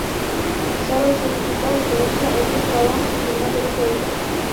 Solo el certificado diferencia el un trabajo sin firmar de otros productos.